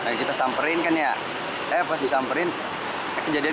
kayak kita samperin kan ya eh pas disamperin kejadian